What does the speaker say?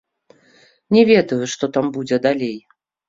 Не ведаю, што там будзе далей.